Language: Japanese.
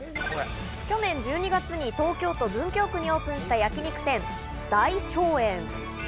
去年１２月に東京都文京区にオープンした焼肉店・太翔園。